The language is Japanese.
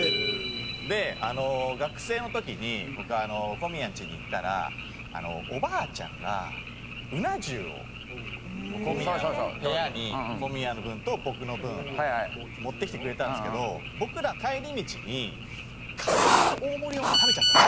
で学生の時に僕小宮んちに行ったらおばあちゃんがうな重を小宮の部屋に小宮の分と僕の分持ってきてくれたんですけど僕ら帰り道にカレーの大盛りをもう食べちゃったんですね。